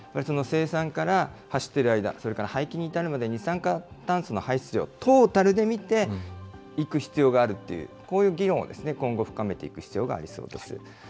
生産から走っている間、それから廃棄に至るまで、二酸化炭素の排出量、トータルで見ていく必要があるという、こういう議論を今後、深めていく必要がありそうです。